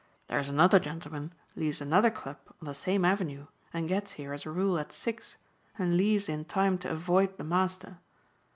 There's another gentleman leaves another club on the same Avenue and gets here as a rule at six and leaves in time to avoid the master."